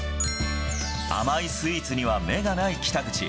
甘いスイーツには目がない北口。